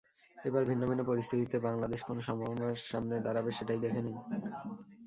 এবার ভিন্ন ভিন্ন পরিস্থিতিতে বাংলাদেশ কোন সম্ভাবনার সামনে দাঁড়াবে সেটাই দেখে নিন।